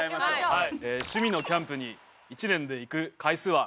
趣味のキャンプに１年で行く回数は？